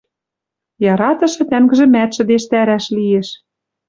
Яратышы тӓнгжӹмӓт шӹдештӓрӓш лиэш.